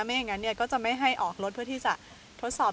ไม่อย่างนั้นก็จะไม่ให้ออกรถเพื่อที่จะทดสอบ